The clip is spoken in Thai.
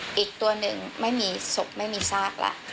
และถือเป็นเคสแรกที่ผู้หญิงและมีการทารุณกรรมสัตว์อย่างโหดเยี่ยมด้วยความชำนาญนะครับ